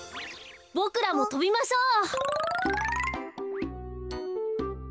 ボクらもとびましょう。